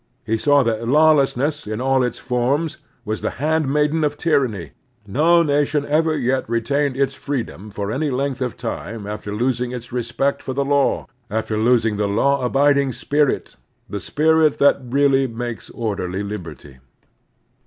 He saw that lawlessness in all its forms was the handmaiden of tyranny. No nation ever yet retained its freedom for any length of time after losing its respect for the law, after losing the law abiding spirit, the spirit that really makes orderly liberty.